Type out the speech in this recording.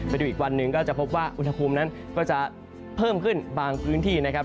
ไปดูอีกวันหนึ่งก็จะพบว่าอุณหภูมินั้นก็จะเพิ่มขึ้นบางพื้นที่นะครับ